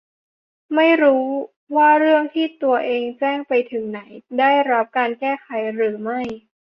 ไม่รู้ว่าเรื่องที่ตัวเองแจ้งไปถึงไหน ได้รับการแก้ไขหรือไม่